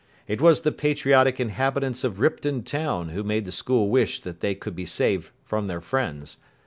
It was the patriotic inhabitants of Ripton town who made the school wish that they could be saved from their friends.